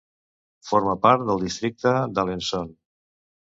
Forma part del districte d'Alençon.